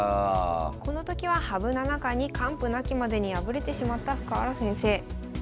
この時は羽生七冠に完膚なきまでに敗れてしまった深浦先生。